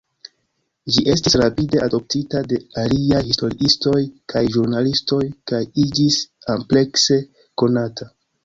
Ĝi estis rapide adoptita de aliaj historiistoj kaj ĵurnalistoj kaj iĝis amplekse konata.